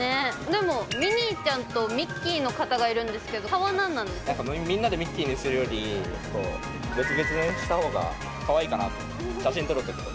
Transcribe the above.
でも、ミニーちゃんとミッキーの方がいらっしゃるんですけど、みんなでミッキーにするより、別々にしたほうがかわいいかなと、写真撮るときも。